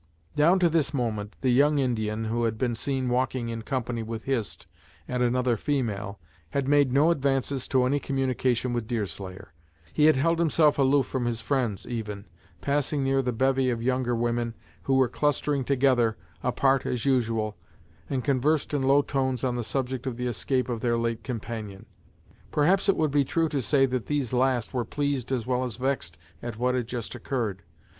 Down to this moment, the young Indian who had been seen walking in company with Hist and another female had made no advances to any communication with Deerslayer. He had held himself aloof from his friends, even, passing near the bevy of younger women, who were clustering together, apart as usual, and conversed in low tones on the subject of the escape of their late companion. Perhaps it would be true to say that these last were pleased as well as vexed at what had just occurred.